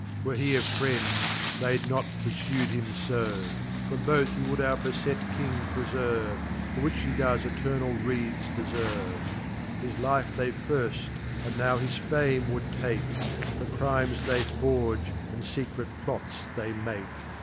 Were he a friend, they'd not puruYd him fo : From both he would our befet Kingpreferve For. which he does Eternal wreaths deferve. His Life they firft, and now his Fame would take, For Crimes they forge, and fecret Plots they make.